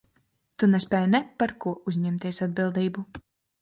Tu nespēj ne par ko uzņemties atbildību.